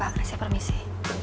baik pak kasih permisi